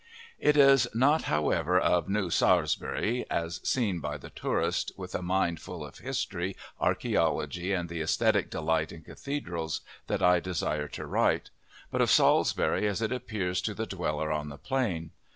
It is not, however, of "New Saresbyri" as seen by the tourist, with a mind full of history, archaeology, and the aesthetic delight in cathedrals, that I desire to write, but of Salisbury as it appears to the dweller on the Plain.